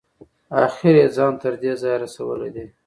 اخیر یې ځان تر دې ځایه رسولی دی.